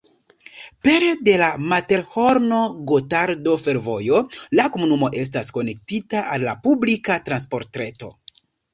Pere de la Materhorno-Gotardo-Fervojo la komunumo estas konektita al la publika transportreto.